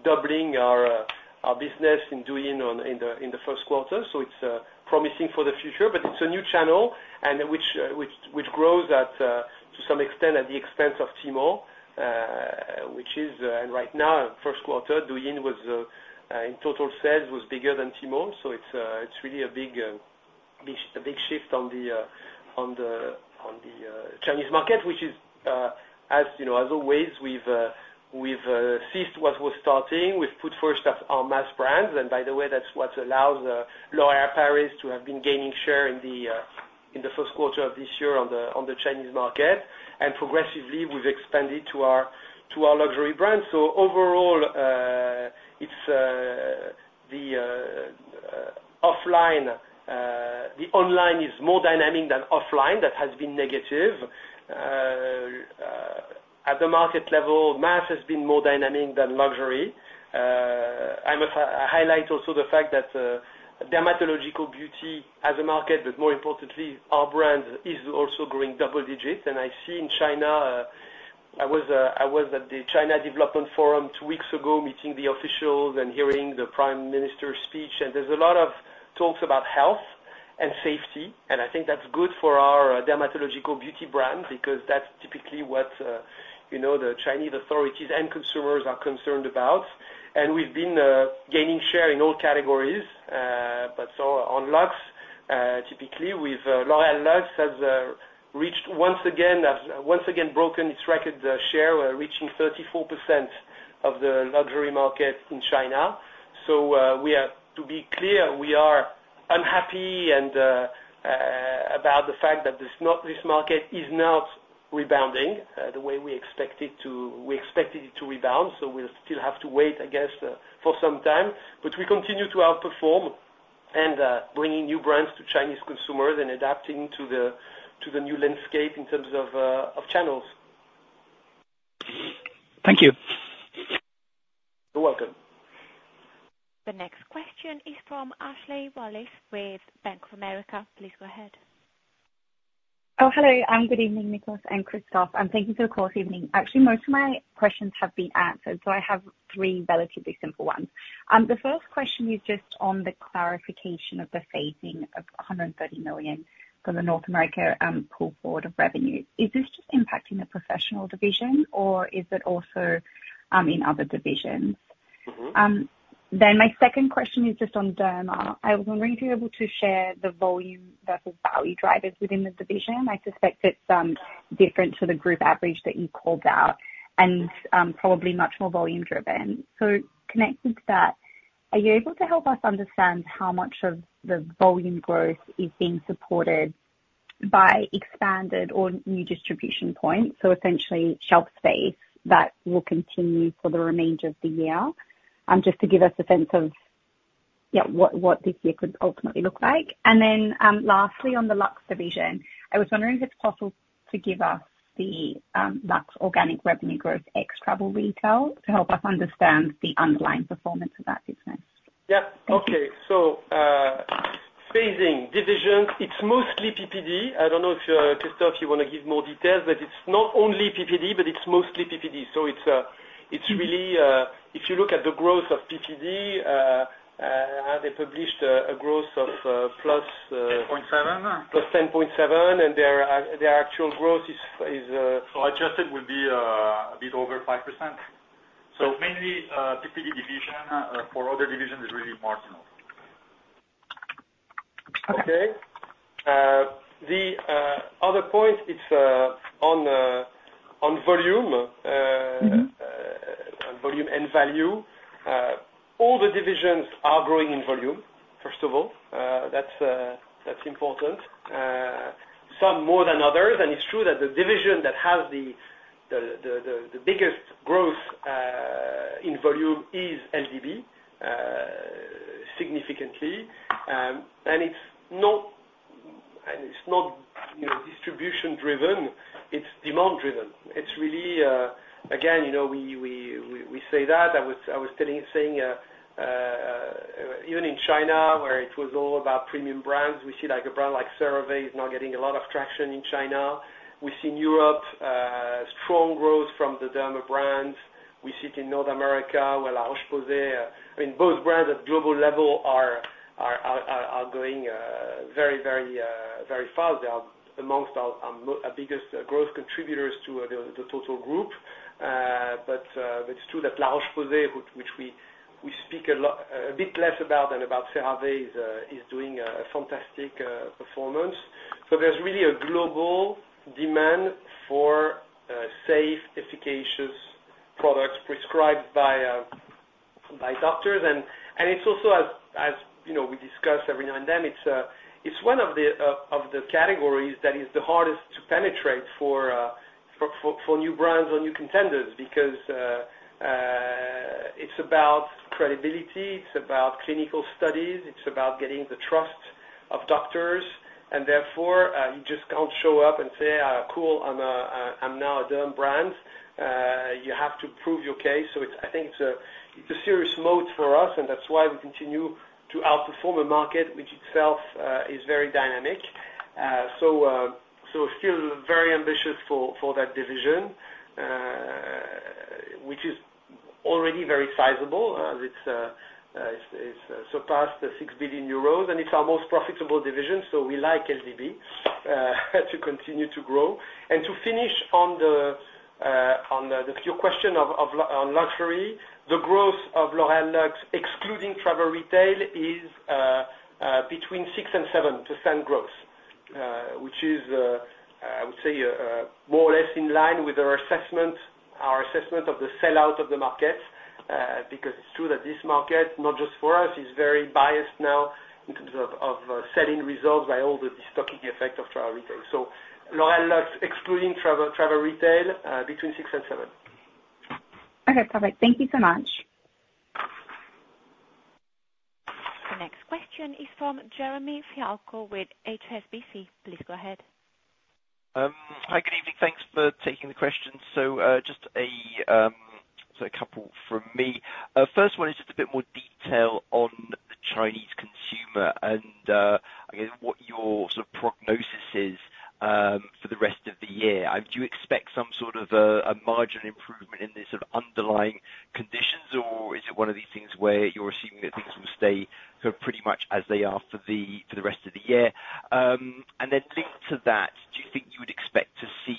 Speaker 3: doubling our business in Douyin in the first quarter. It's promising for the future. It's a new channel and which grows at to some extent at the expense of Tmall, which is and right now first quarter Douyin was in total sales was bigger than Tmall. It's really a big shift on the Chinese market, which is as you know, as always, we've seized what was starting. We've put first at our mass brands. By the way, that's what allows L'Oréal Paris to have been gaining share in the first quarter of this year on the Chinese market. Progressively, we've expanded to our luxury brands, so overall the online is more dynamic than offline that has been negative. At the market level mass has been more dynamic than luxury. I must highlight also the fact that dermatological beauty as a market, but more importantly our brand is also growing double digits. In China, I was at the China Development Forum two weeks ago, meeting the officials and hearing the Prime Minister's speech. There's a lot of talks about health and safety. I think that's good for our dermatological beauty brand, because that's typically what you know the Chinese authorities and consumers are concerned about. We've been gaining share in all categories. On Luxe, typically, L'Oréal Luxe has reached once again has once again broken its record share, reaching 34% of the luxury market in China. To be clear, we are unhappy about the fact that this no this market is not rebounding the way we expect it to, we expected it to rebound. We'll still have to wait, I guess, for some time. We continue to outperform and bringing new brands to Chinese consumers, and adapting to the new landscape in terms of of channels.
Speaker 12: Thank you.
Speaker 3: You're welcome.
Speaker 1: The next question is from Ashley Wallace with Bank of America. Please go ahead.
Speaker 13: Oh, hello. Good evening, Nicolas and Christophe. Thank you for the call this evening. Actually, most of my questions have been answered, so I have three relatively simple ones. The first question is just on the clarification of the phasing of 130 million from the North America pull-forward of revenues. Is this just impacting the professional division or is it also in other divisions? My second question is just on derma. I was wondering if you're able to share the volume versus value drivers within the division. I suspect it's different to the group average that you called out, and probably much more volume driven. Connected to that, are you able to help us understand how much of the volume growth is being supported by expanded or new distribution points, so essentially shelf space that will continue for the remainder of the year just to give us a sense of yeah, what this year could ultimately look like? Then lastly on the Luxe division, I was wondering if it's possible to give us the Luxe organic revenue growth ex-travel retail to help us understand the underlying performance of that business.
Speaker 3: Yeah, okay. Phasing divisions, it's mostly PPD. I don't know if Christophe, you want to give more details, but it's not only PPD, but it's mostly PPD. It's really if you look at the growth of PPD they published a growth of plus
Speaker 6: 10.7?
Speaker 3: +10.7. Their actual growth is
Speaker 6: Adjusted will be a bit over 5%. Mainly PPD division for other divisions is really marginal.
Speaker 3: Okay, the other point is on volume and value. All the divisions are growing in volume first of all. That's important. Some more than others. It's true that the division that has the biggest growth in volume is LDB significantly. It's not, you know, distribution-driven. It's demand-driven. It's really again, you know, we say that. I was telling, saying even in China where it was all about premium brands we see like a brand like CeraVe is now getting a lot of traction in China. We see in Europe strong growth from the derma brands. We see it in North America where La Roche-Posay, I mean, both brands at global level are going very fast. They are among our most biggest growth contributors to the total group. It's true that La Roche-Posay, which we speak a lot a bit less about than about CeraVe, is doing a fantastic performance. There's really a global demand for safe efficacious products prescribed by doctors. It's also, as you know, we discuss every now and then, it's one of the categories that is the hardest to penetrate for new brands or new contenders, because it's about credibility. It's about clinical studies. It's about getting the trust of doctors. Therefore you just can't show up and say, "Cool, I'm now a derma brand." You have to prove your case, so it's, I think a serious moat for us. That's why we continue to outperform a market which itself is very dynamic. Still very ambitious for that division, which is already very sizable as it's surpassed the 6 billion euros. It's our most profitable division, so we like LDB to continue to grow. To finish on the your question of luxury the growth of L'Oréal Luxe, excluding travel retail is between 6% and 7% growth, which is I would say more or less in line with our assessment of the sell-out of the market, because it's true that this market not just for us is very biased now in terms of sell-in results by all the destocking effect of travel retail, so L'Oréal Luxe, excluding travel retail between 6% and 7%.
Speaker 13: Okay, perfect. Thank you so much.
Speaker 1: The next question is from Jeremy Fialko with HSBC. Please go ahead.
Speaker 14: Hi, good evening. Thanks for taking the question. Just a couple from me. First one is just a bit more detail on the Chinese consumer, and I guess what your sort of prognosis is for the rest of the year. Do you expect some sort of a margin improvement in these sort of underlying conditions, or is it one of these things where you're assuming that things will stay sort of pretty much as they are for the rest of the year? Then linked to that, do you think you would expect to see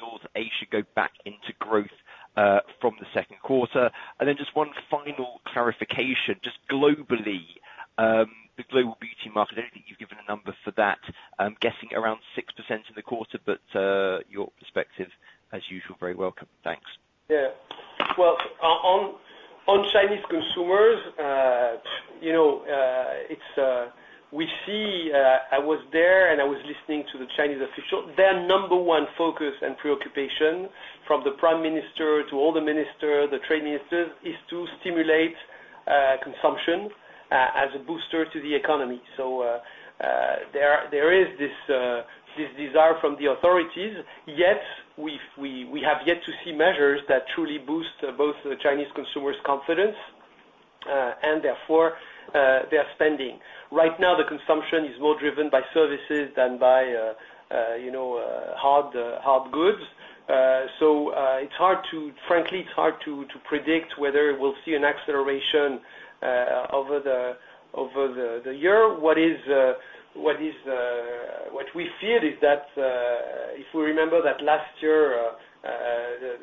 Speaker 14: North Asia go back into growth from the second quarter? Then just one final clarification, just globally, the global beauty market, I don't think you've given a number for that. I'm guessing around 6% in the quarter, but your perspective as usual very welcome. Thanks.
Speaker 3: Yeah. Well, on Chinese consumers, you know, it's we see. I was there, and I was listening to the Chinese official. Their number one focus and preoccupation from the prime minister to all the ministers, the trade ministers, is to stimulate consumption as a booster to the economy. There is this desire from the authorities, yet we've yet to see measures that truly boost both the Chinese consumer's confidence and therefore their spending. Right now, the consumption is more driven by services than by, you know, hard goods. Frankly, it's hard to predict whether we'll see an acceleration over the year. What we feared is that if we remember that last year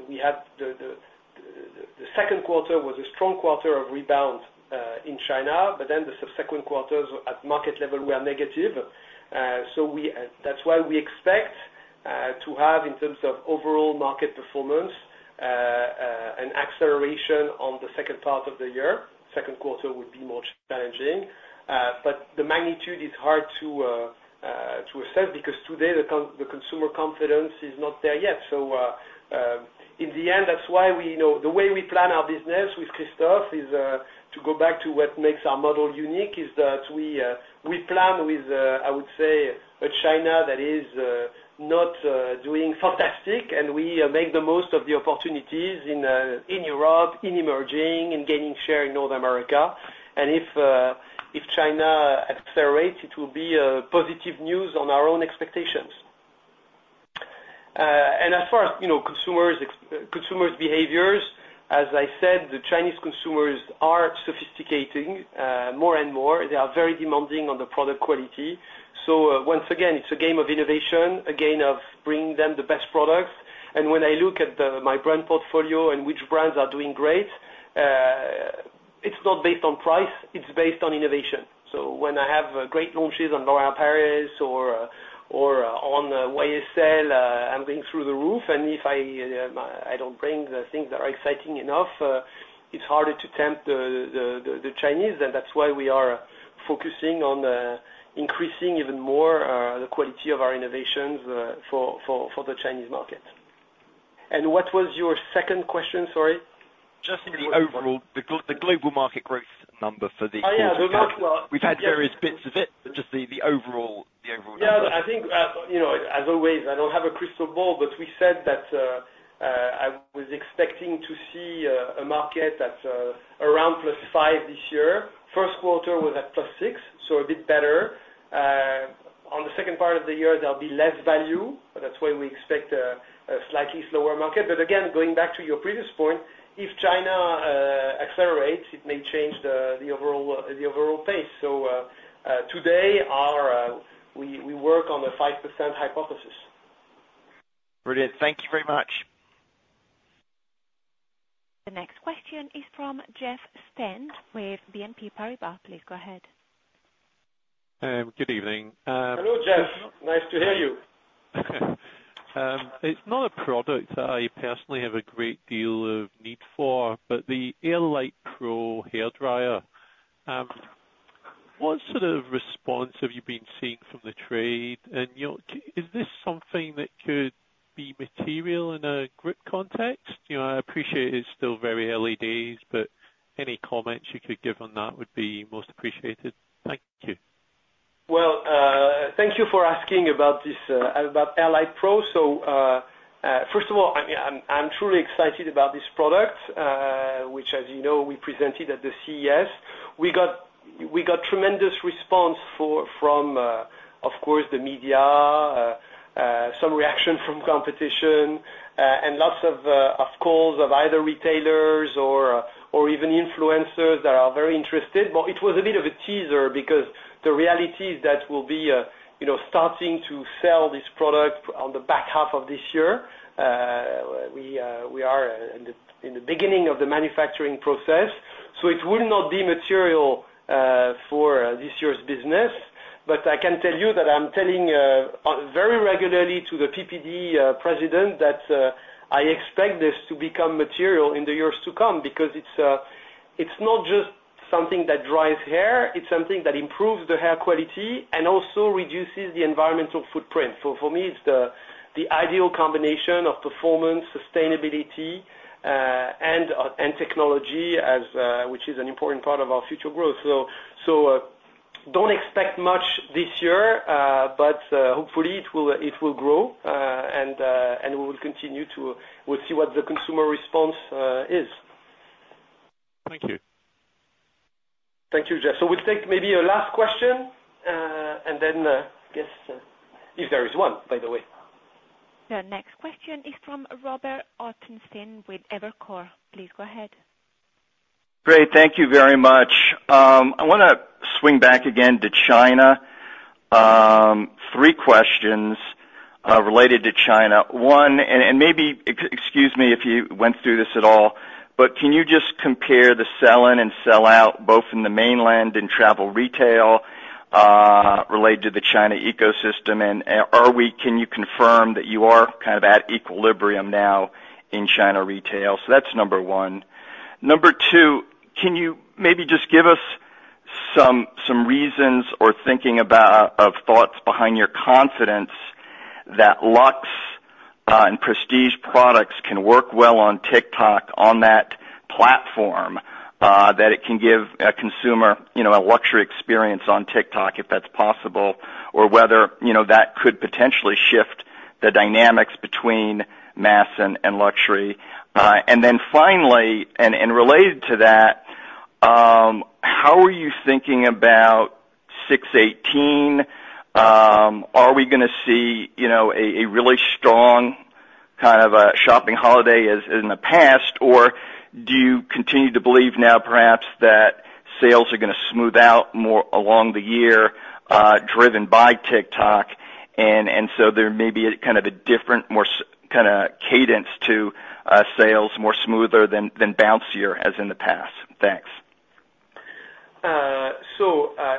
Speaker 3: we had the second quarter was a strong quarter of rebound in China, but then the subsequent quarters at market level were negative. That's why we expect to have in terms of overall market performance an acceleration on the second part of the year. Second quarter would be more challenging, but the magnitude is hard to assess because today the consumer confidence is not there yet. In the end, that's, you know, the way we plan our business with Christophe is to go back to what makes our model unique, that we plan with, I would say, a China that is not doing fantastic. We make the most of the opportunities in Europe, in emerging, in gaining share in North America. If China accelerates, it will be positive news on our own expectations. As far as you know, consumers' behaviors, as I said, the Chinese consumers are sophisticating more and more. They are very demanding on the product quality. Once again it's a game of innovation, a game of bringing them the best products. When I look at my brand portfolio and which brands are doing great, it's not based on price. It's based on innovation. When I have great launches on L'Oréal Paris or on YSL, I'm going through the roof. If I don't bring the things that are exciting enough, it's harder to tempt the Chinese. That's why we are focusing on increasing even more the quality of our innovations for the Chinese market, and what was your second question, sorry?
Speaker 14: Just in the overall, the global market growth number for the quarter.
Speaker 3: Oh yeah. The market.
Speaker 14: We've had various bits of it, but just the overall number.
Speaker 3: Yeah. I think you know as always I don't have a crystal ball, but we said that I was expecting to see a market at around +5% this year. First quarter was at +6%, so a bit better. On the second part of the year there'll be less value. That's why we expect a slightly slower market. Again, going back to your previous point if China accelerates it may change the overall pace, so today we work on a 5% hypothesis.
Speaker 14: Brilliant. Thank you very much.
Speaker 1: The next question is from Jeff Stent with BNP Paribas. Please go ahead.
Speaker 15: good evening.
Speaker 3: Hello Jeff. Nice to hear you.
Speaker 15: It's not a product that I personally have a great deal of need for, but the AirLight Pro hair dryer. What sort of response have you been seeing from the trade? You know, see, is this something that could be material in a grip context? You know, I appreciate it's still very early days, but any comments you could give on that would be most appreciated. Thank you.
Speaker 3: Well, thank you for asking about this about AirLight Pro. First of all, I mean, I'm truly excited about this product, which as you know we presented at the CES. We got tremendous response from of course the media, some reaction from competition, and lots of calls from either retailers or even influencers that are very interested. It was a bit of a teaser, because the reality is that we'll be, you know, starting to sell this product on the back half of this year. We are in the beginning of the manufacturing process, so it will not be material for this year's business. I can tell you that I'm telling very regularly to the PPD president that I expect this to become material in the years to come, because it's not just something that dries hair. It's something that improves the hair quality, and also reduces the environmental footprint. For me it's the ideal combination of performance, sustainability, and technology, which is an important part of our future growth. Don't expect much this year, but hopefully it will grow and we will continue to see what the consumer response is.
Speaker 15: Thank you.
Speaker 3: Thank you Jeff. We'll take maybe a last question, and then I guess if there is one by the way.
Speaker 1: The next question is from Robert Ottenstein with Evercore. Please go ahead.
Speaker 16: Great. Thank you very much. I want to swing back again to China. Three questions related to China. One, and maybe excuse me if you went through this at all, but can you just compare the sell-in and sell-out both in the mainland and travel retail related to the China ecosystem? Can you confirm that you are kind of at equilibrium now in China retail? That's number one. Number two, can you maybe just give us some reasons, or thinking about thoughts behind your confidence that luxe and prestige products can work well on TikTok, on that platform that it can give a consumer you know a luxury experience on TikTok if that's possible or whether you know that could potentially shift the dynamics between mass and luxury. Then finally, related to that, how are you thinking about 618? Are we going to see you know a really strong kind of shopping holiday as in the past, or do you continue to believe now perhaps that sales are going to smooth out more along the year driven by TikTok? There may be a kind of a different more smooth kind of cadence to sales more smoother than bouncier as in the past. Thanks.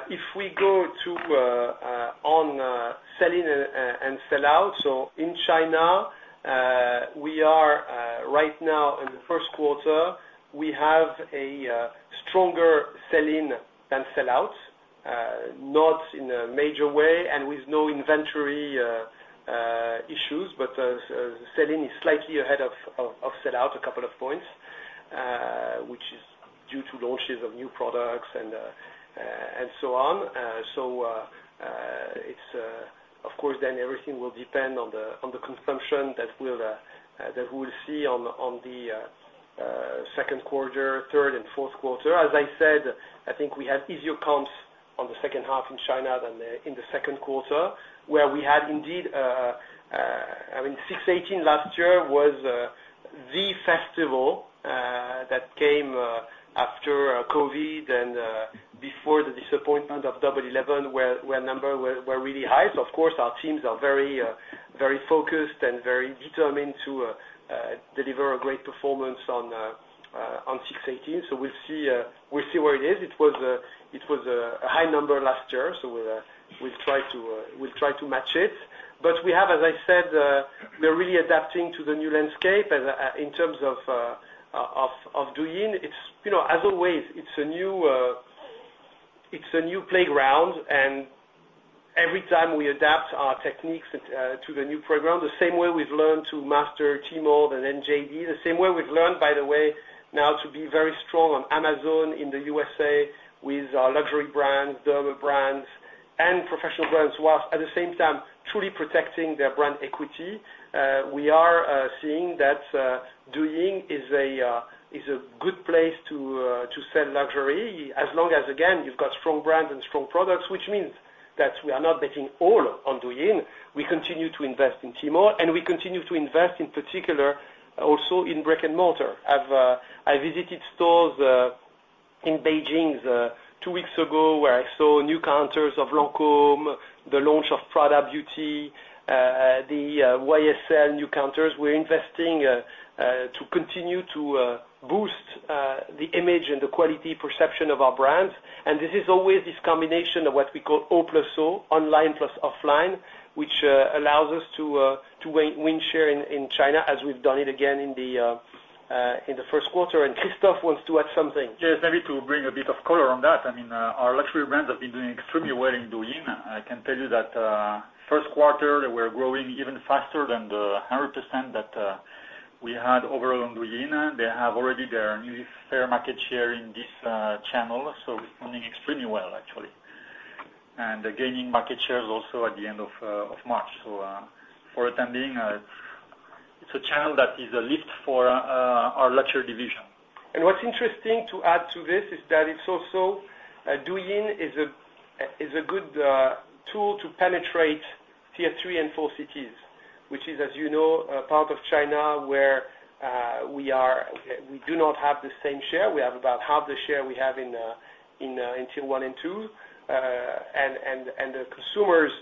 Speaker 3: If we go to sell-in and sell-out, so in China, we are right now in the first quarter we have a stronger sell-in than sell-out, not in a major way and with no inventory issues but sell-in is slightly ahead of sell-out a couple of points, which is due to launches of new products and so on. It's of course then everything will depend on the consumption that we'll see on the second quarter, third and fourth quarter. As I said I think we had easier comps on the second half in China than in the second quarter, where we had indeed, I mean, 618 last year was the festival that came after COVID and before the disappointment of Double 11 where numbers were really high. Of course, our teams are very focused, and very determined to deliver a great performance on 618. We'll see where it is. It was a high number last year so we'll try to match it. As I said, we're really adapting to the new landscape in terms of doing it. You know, as always it's a new playground, and every time we adapt our techniques to the new playground the same way we've learned to master Tmall then JD. The same way we've learned by the way now to be very strong on Amazon in the USA with our luxury brands, dermo brands, professional brands while at the same time truly protecting their brand equity. We are seeing that Douyin is a good place to sell luxury as long as again, you've got strong brands and strong products which means that we are not betting all on Douyin. We continue to invest in Tmall, and we continue to invest in particular also in brick and mortar. I've visited stores in Beijing two weeks ago where I saw new counters of Lancôme, the launch of Prada Beauty, the YSL new counters. We're investing to continue to boost the image, and the quality perception of our brands. This is always this combination of what we call all, plus all online, plus offline, which allows us to win share in China, as we've done it again in the first quarter. Christophe wants to add something.
Speaker 6: Yes. Maybe to bring a bit of color on that. I mean, our luxury brands have been doing extremely well in doing. I can tell you that first quarter they were growing even faster than the 100% that we had overall in doing, and they have already their new fair market share in this channel so responding extremely well actually. Gaining market shares also at the end of March, so for attending, it's a channel that is a lift for our luxury division.
Speaker 3: What's interesting to add to this is that it's also a good tool to penetrate tier three and four cities, which is, as you know, part of China, where we do not have the same share. We have about half the share we have in tier one and two, and the consumers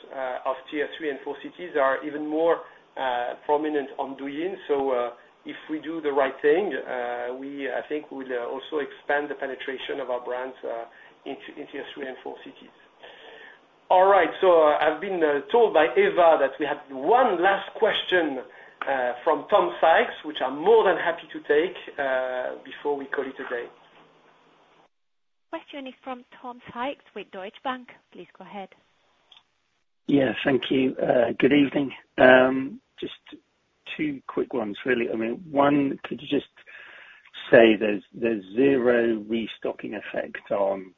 Speaker 3: of tier three and four cities are even more prominent on Douyin. If we do the right thing, I think we'll also expand the penetration of our brands into tier three and four cities. All right, so I've been told by Eva that we have one last question from Tom Sykes, which I'm more than happy to take before we call it a day.
Speaker 1: Question is from Tom Sykes with Deutsche Bank. Please go ahead.
Speaker 17: Yeah. Thank you. Good evening. Just two quick ones really. I mean, one, could you just say there's zero restocking effect on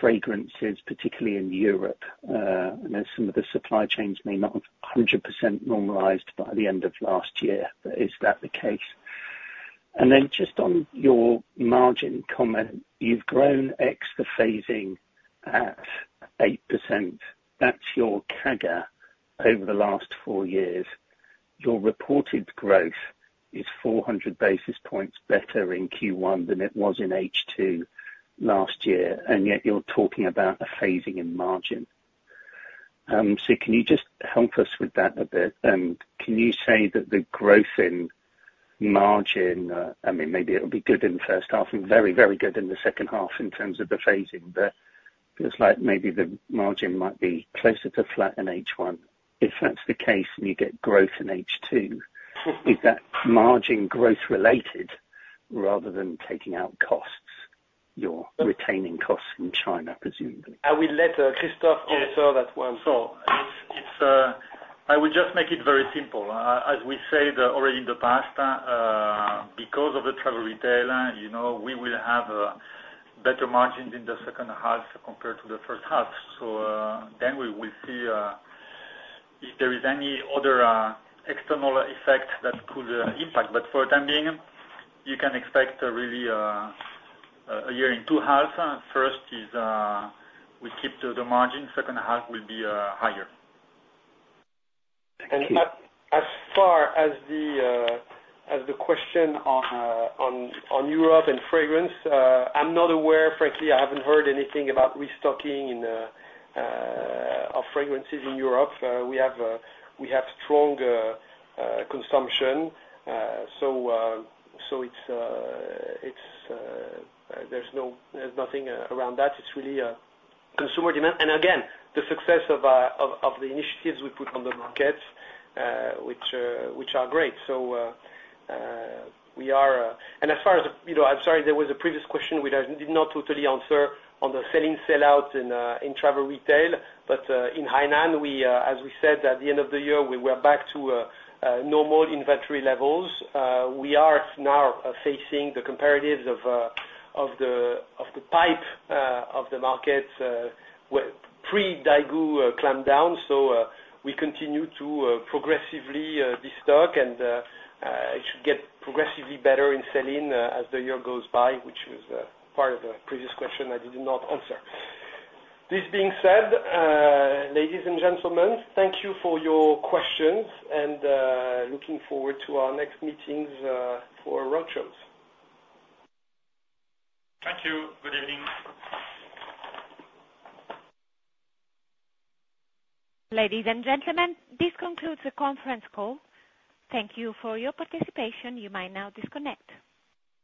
Speaker 17: fragrances particularly in Europe? I know some of the supply chains may not have 100% normalized by the end of last year, but is that the case? Then just on your margin comment, you've grown ex the phasing at 8%. That's your CAGR over the last four years. Your reported growth is 400 basis points better in Q1 than it was in H2 last year, and yet you're talking about a phasing in margin. Can you just help us with that a bit? Can you say that the growth in margin? I mean, maybe it'll be good in the first half and very, very good in the second half in terms of the phasing, but it feels like maybe the margin might be closer to flat in H1. If that's the case and you get growth in H2, is that margin growth related rather than taking out costs? You're retaining costs in China, presumably?
Speaker 3: I will let Christophe answer that one.
Speaker 6: I will just make it very simple. As we said already in the past, because of the travel retail, you know, we will have better margins in the second half compared to the first half. Then we will see if there is any other external effect that could impact, but for the time being, you can expect really a year in two halves. First is we keep the margin. Second half will be higher.
Speaker 17: Thank you.
Speaker 3: As far as the question on Europe and fragrance, I'm not aware frankly. I haven't heard anything about restocking of fragrances in Europe. We have strong consumption, so there's nothing around that. It's really consumer demand. Again, the success of the initiatives we put on the markets, which are great. As far as you know, I'm sorry, there was a previous question which I did not totally answer on the sell-in, sell-out in travel retail, but in Hainan, as we said at the end of the year, we were back to normal inventory levels. We are now facing the comparatives of the hype of the markets where pre-Daigou clamped down. We continue to progressively destock and it should get progressively better in sell-in as the year goes by, which was part of the previous question I did not answer. This being said, ladies and gentlemen, thank you for your questions and looking forward to our next meetings for roadshows.
Speaker 17: Thank you. Good evening.
Speaker 1: Ladies and gentlemen, this concludes the conference call. Thank you for your participation. You may now disconnect.